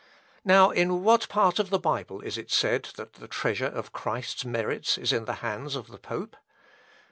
Now in what part of the Bible is it said that the treasure of Christ's merits is in the hands of the pope?"